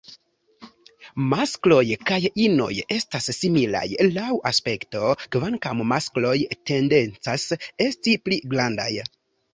Maskloj kaj inoj estas similaj laŭ aspekto, kvankam maskloj tendencas esti pli grandaj.